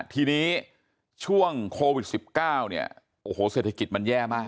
ทีนี้ช่วงโควิด๑๙เนี่ยโอ้โหเศรษฐกิจมันแย่มาก